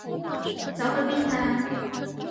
走去邊啊？